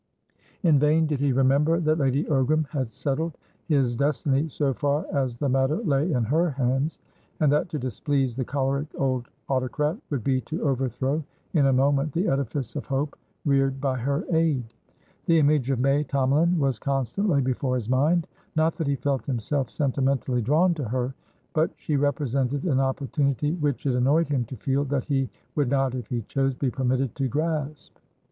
In vain did he remember that Lady Ogram had settled his destiny so far as the matter lay in her hands, and that to displease the choleric old autocrat would be to overthrow in a moment the edifice of hope reared by her aid. The image of May Tomalin was constantly before his mind. Not that he felt himself sentimentally drawn to her; but she represented an opportunity which it annoyed him to feel that he would not, if he chose, be permitted to grasp.